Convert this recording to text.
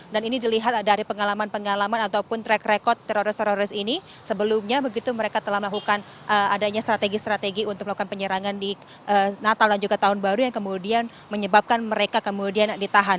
dan ini dilihat dari pengalaman pengalaman ataupun track record teroris teroris ini sebelumnya begitu mereka telah melakukan adanya strategi strategi untuk melakukan penyerangan di natal dan juga tahun baru yang kemudian menyebabkan mereka kemudian ditahan